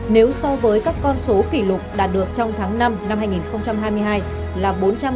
nếu so với các con số kỷ lục đạt được trong tháng năm năm hai nghìn hai mươi hai là bốn trăm ba mươi